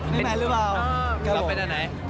เรียบร้อยหรือเปล่า